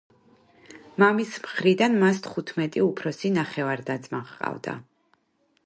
მამის მხრიდან მას თხუთმეტი უფროსი ნახევარ-და-ძმა ჰყავდა.